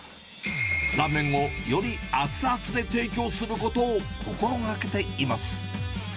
ラーメンをより熱々で提供することを心がけています。